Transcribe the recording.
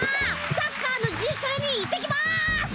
サッカーの自主トレに行ってきます！